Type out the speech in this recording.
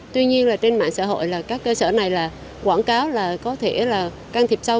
tuy nhiên là trên mạng xã hội là các cơ sở này là quảng cáo là có thể là can thiệp sâu